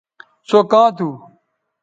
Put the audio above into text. سو کاں تھو